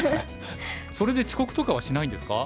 それで遅刻とかはしないんですか？